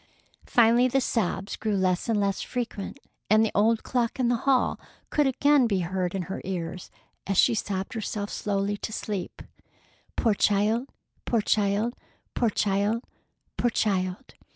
Finally the sobs grew less and less frequent, and the old clock in the hall could again be heard in her ears, as she sobbed herself slowly to sleep: "Poor child! Poor child! Poor child! Poor child!"